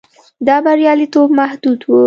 دا بریالیتوب محدود و.